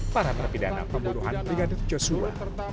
para terpidana pembunuhan brigadir joshua